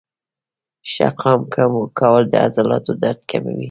ښه قام کول د عضلاتو درد کموي.